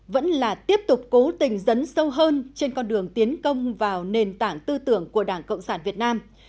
vẫn là tiếp tục cố tình dấn sâu hơn trên con đường tiến công vào nền tảng tư tưởng của đảng cộng sản việt nam